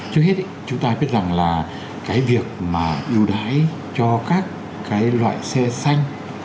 trước hết chúng ta biết rằng là cái việc mà ưu đãi cho các cái loại xe xanh